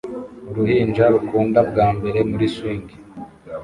Uruhinja rukunda bwa mbere muri swing